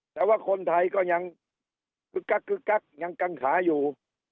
แต่ว่าคนไทยก็ยังยังกังขาอยู่